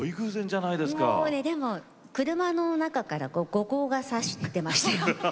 もうね車の中から後光がさしてましたよ。